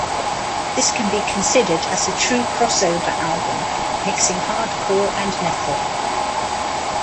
This can be considered as a true crossover album, mixing hardcore and metal.